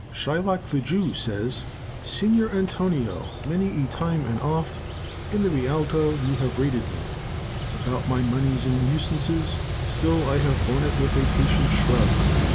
Shylock the Jew, says, "Signor Antonio, many a time and oft In the Rialto have you rated me About my monies and usances; Still have I borne it with a patient shrug."